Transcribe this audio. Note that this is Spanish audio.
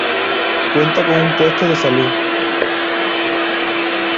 Cuenta con un puesto de salud.